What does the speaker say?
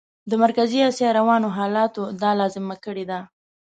د مرکزي اسیا روانو حالاتو دا لازمه کړې ده.